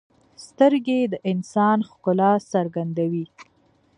سترګې د انسان ښکلا څرګندوي